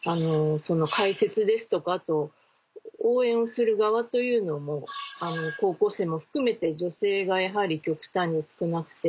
解説ですとかあと応援をする側というのも高校生も含めて女性がやはり極端に少なくて。